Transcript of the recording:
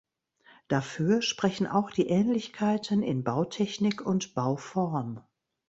Dafür sprechen auch die Ähnlichkeiten in Bautechnik und Bauform.